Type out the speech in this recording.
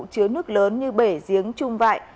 chứa nước lớn như bể giếng chung vại